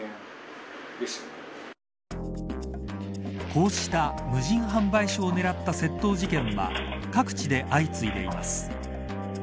こうした無人販売所をねらった窃盗事件は各地で相次いでいます。